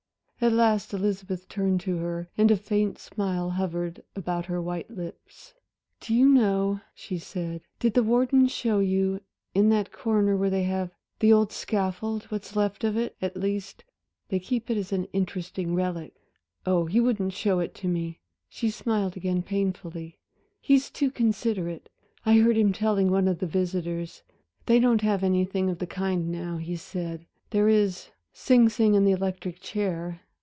At last Elizabeth turned to her, and a faint smile hovered about her white lips. "Do you know," she said, "did the warden show you? in that corner there they have the old scaffold what's left of it, at least. They keep it as an interesting relic. Oh, he wouldn't show it to me" she smiled again painfully " he's too considerate I heard him telling one of the visitors. They don't have anything of the kind now, he said, there is Sing Sing and the electric chair.